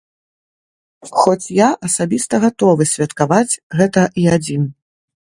Хоць я асабіста гатовы святкаваць гэта і адзін.